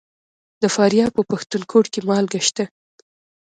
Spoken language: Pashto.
د فاریاب په پښتون کوټ کې مالګه شته.